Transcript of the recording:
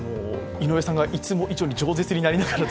井上さんがいつも以上にじょう舌になりながら。